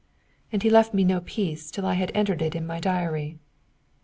And he left me no peace till I had entered it in my diary.